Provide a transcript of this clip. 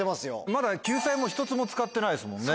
まだ救済も１つも使ってないですもんね？